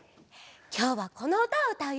きょうはこのうたをうたうよ。